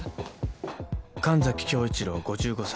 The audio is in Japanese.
神崎恭一郎５５歳。